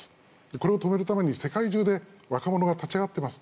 これを止めるために世界中で若者が立ち上がってます。